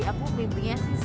aku mimpinya sih seperti itu